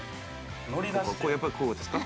こうやっぱりこうですか？